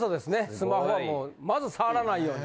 スマホはもうまず触らないように。